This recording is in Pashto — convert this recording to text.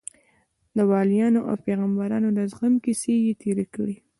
د وليانو او پيغمبرانو د زغم کيسې يې تېرې کړې.